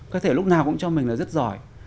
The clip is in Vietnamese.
có thể lúc nào cũng cho mình là rất giỏi